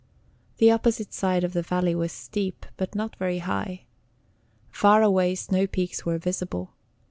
The opposite side of the valley was steep, but not very high. Far away snow peaks were visible.